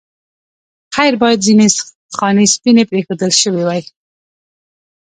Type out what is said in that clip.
خیر باید ځینې خانې سپینې پرېښودل شوې وای.